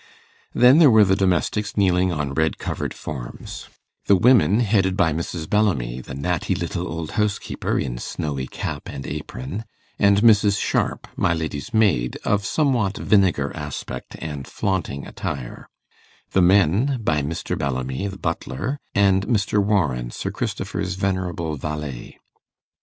Then there were the domestics kneeling on red covered forms, the women headed by Mrs. Bellamy, the natty little old housekeeper, in snowy cap and apron, and Mrs. Sharp, my lady's maid, of somewhat vinegar aspect and flaunting attire; the men by Mr. Bellamy the butler, and Mr. Warren, Sir Christopher's venerable valet.